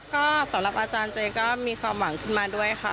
ก็สำหรับอาจารย์เจก็มีความหวังขึ้นมาด้วยค่ะ